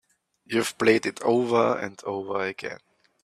You've played it over and over again.